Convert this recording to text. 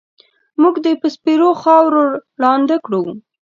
مونږ دې په سپېرو خاورو ړانده کړو